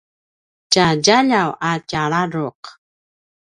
tja djeljuway a tja ladruq